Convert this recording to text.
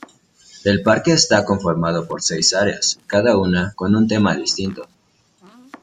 El parque está conformado por seis áreas, cada una con un tema distinto.